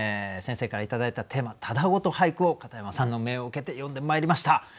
先生から頂いたテーマただごと俳句を片山さんの命を受けて詠んでまいりました。